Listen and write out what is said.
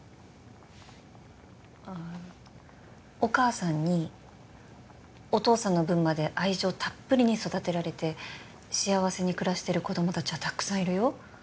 お母さんにお父さんの分まで愛情たっぷりに育てられて幸せに暮らしてる子どもたちはたくさんいるよ